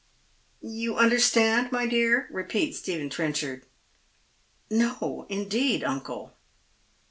" You understand, my dear ?" repeat/j Gtephen Trenchard. " No, indeed, uncle."